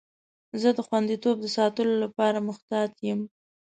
زه د خوندیتوب د ساتلو لپاره محتاط یم.